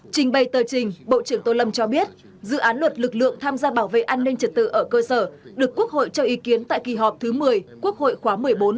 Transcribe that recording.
trình bày tờ trình bộ trưởng tô lâm cho biết dự án luật lực lượng tham gia bảo vệ an ninh trật tự ở cơ sở được quốc hội cho ý kiến tại kỳ họp thứ một mươi quốc hội khóa một mươi bốn